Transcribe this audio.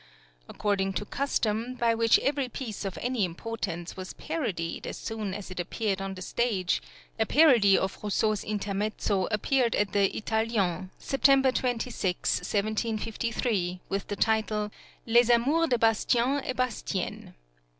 According to the custom, by which every piece of any importance was parodied as soon as it appeared on the stage, a parody of Rousseau's intermezzo appeared at the Italiens, September 26, 1753, with the title: "Les Amours de Bastienet Bastienne."